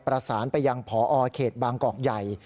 ประสานไปยังพอเขตบางกอกใหญ่